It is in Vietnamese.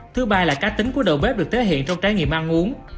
thứ ba là cá tính của đầu bếp được thể hiện trong trái nghiệm ăn uống